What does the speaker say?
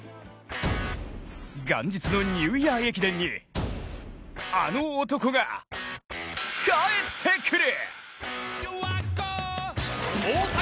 元日のニューイヤー駅伝にあの男が、帰ってくる！